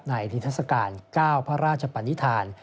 ในอินทรัศกาลเก้าพระราชปัณฑิธาน